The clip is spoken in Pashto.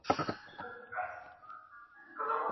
ایا افغان سوداګر وچ زردالو پلوري؟